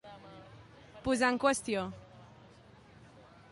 Posar en qüestió.